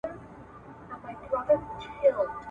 چي د شاه اېډ پس لور وه